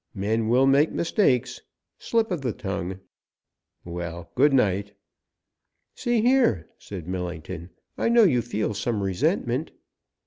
Men will make mistakes slip of the tongue Well, good night!" "See here," said Millington, "I know you feel some resentment."